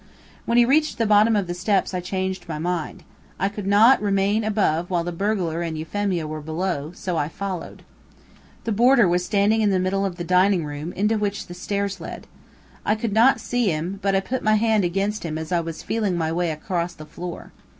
When he reached the bottom of the steps I changed my mind. I could not remain above while the burglar and Euphemia were below, so I followed. The boarder was standing in the middle of the dining room, into which the stairs led. I could not see him, but I put my hand against him as I was feeling my way across the floor.